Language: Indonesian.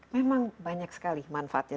memang banyak sekali manfaatnya